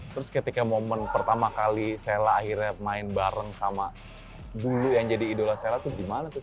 terus ketika momen pertama kali sela akhirnya main bareng sama dulu yang jadi idola sela tuh gimana tuh